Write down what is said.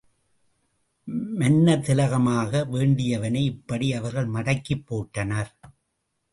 மன்னர் திலகமாக வேண்டியவனை இப்படி அவர்கள் மடக்கிப் போட்டனர்.